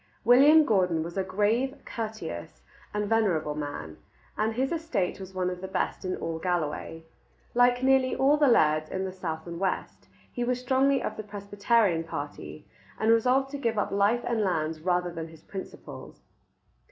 William Gordon was a grave, courteous, and venerable man, and his estate was one of the best in all Galloway. Like nearly all the lairds in the south and west, he was strongly of the Presbyterian party, and resolved to give up life and lands rather than his principles.